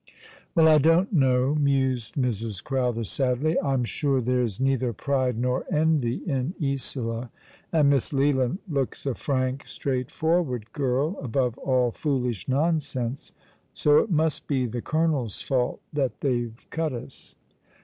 " Well, I don't know," mused Mrs. Crowther, sadly. " I'm sure there's neither pride nor envy in Isola, and Miss Leland looks a ftank, straightforward girl, above all foolish nonsense ; so it must be the colonel's fault that they've cut us."